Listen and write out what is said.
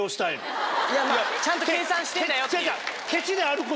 ちゃんと計算してんだよっていう。